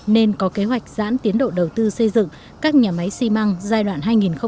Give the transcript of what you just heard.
nên có kế hoạch giãn tiến độ đầu tư xây dựng các nhà máy xi măng giai đoạn hai nghìn một mươi chín hai nghìn hai mươi năm